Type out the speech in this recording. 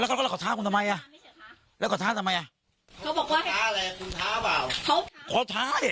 เขาก็บอกว่าเขารอเจอหมอปลาผมก็ไม่รู้ว่าเขารอเจอแล้ว